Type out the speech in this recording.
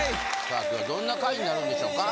さあ今日はどんな回になるんでしょうか。